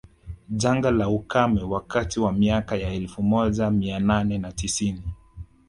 Janga la ukame wakati wa miaka ya elfu moja mia nane na tisini